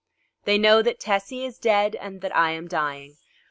They know that Tessie is dead and that I am dying.